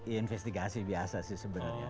investigasi biasa sih sebenernya